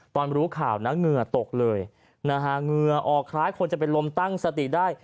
รู้ข่าวนะเหงื่อตกเลยนะฮะเหงื่อออกคล้ายคนจะเป็นลมตั้งสติได้